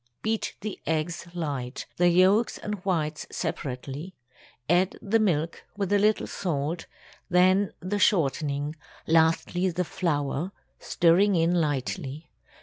Beat the eggs light—the yolks and whites separately; add the milk, with a little salt, then the shortening, lastly the flour, stirring in lightly.